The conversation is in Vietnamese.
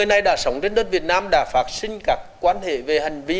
ai đã sống trên đất việt nam đã phạt sinh các quan hệ về hành vi